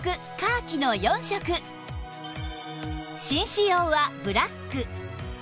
紳士用はブラック